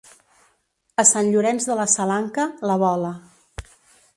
A Sant Llorenç de la Salanca, la bola.